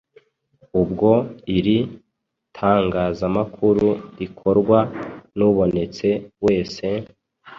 ubwo iri tangazamakuru rikorwa n’ubonetse wese,